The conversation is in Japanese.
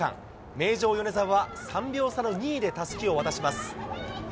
名城、米澤は３秒差の２位でたすきを渡します。